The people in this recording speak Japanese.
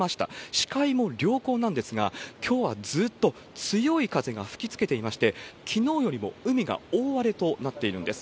視界も良好なんですが、きょうはずーっと強い風が吹きつけていまして、きのうよりもうみが大荒れとなっているんです。